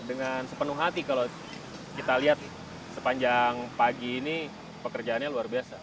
dengan sepenuh hati kalau kita lihat sepanjang pagi ini pekerjaannya luar biasa